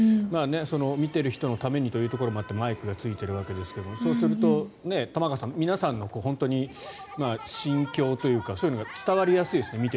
見ている人のためにというところもあってマイクがついているわけですがそうすると、玉川さん皆さんの心境というかそういうのが伝わりやすいですね